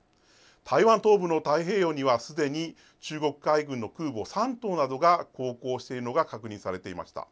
台湾東部の太平洋にはすでに中国海軍の空母、山東などが航行しているのが確認されていました。